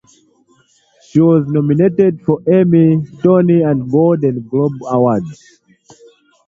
She was nominated for Emmy, Tony and Golden Globe Awards.